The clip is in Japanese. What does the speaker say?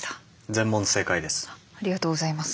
全問正解です。